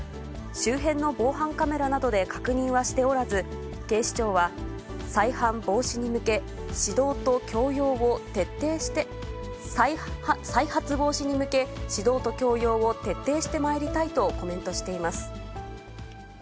周辺の防犯カメラなどで確認はしておらず、警視庁はさいはん防止に向け、指導と教養を、再発防止に向け、指導と教養を徹底してまいりたいとコメントしています。